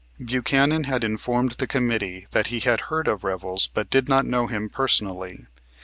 Buchanan had informed the committee that he had heard of Revels but did not know him personally.